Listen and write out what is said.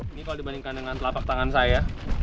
ini kalau dibandingkan dengan telapak tangan saya